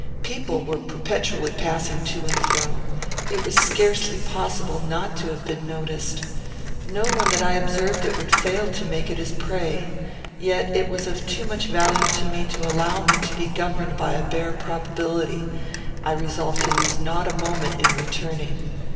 People were perpetually passing to and fro. It was scarcely possible not to have been noticed. No one that observed it would fail to make it his prey. Yet it was of too much value to me to allow me to be governed by a bare probability. I resolved to lose not a moment in returning.